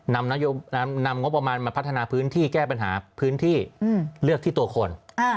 นำงบประมาณมาพัฒนาพื้นที่แก้ปัญหาพื้นที่เลือกที่ตัวคน